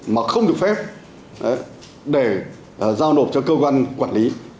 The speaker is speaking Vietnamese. mà không được phép để giao nộp cho cơ quan quản lý